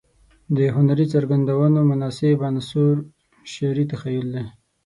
د هنري څرګندونو مناسب عنصر شعري تخيل دى.